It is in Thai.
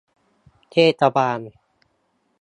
เทศบาล